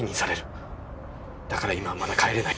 だから今はまだ帰れない。